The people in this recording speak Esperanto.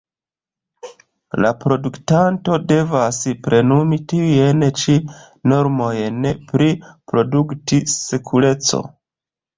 La produktanto devas plenumi tiujn ĉi normojn pri produkt-sekureco.